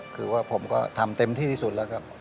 คือว่าผมก็ทำเต็มที่ที่สุดแล้วครับ